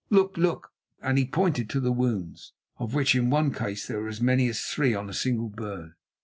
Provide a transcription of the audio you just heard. Look, look!" and he pointed to the wounds, of which in one case there were as many as three on a single bird.